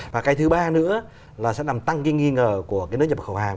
và cái thứ ba nữa là sẽ làm tăng cái nghi ngờ của cái nước nhập khẩu hàng